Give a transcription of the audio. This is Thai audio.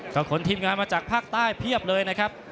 ก็ขนทีมงานมาจากภาคใต้เพียบเลยนะครับ